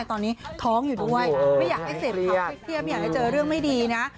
ตอนนี้ท้องอยู่ด้วยไม่อยากให้เสพข่าวเครียดอยากให้เจอเรื่องไม่ดีนะ